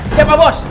siap pak bos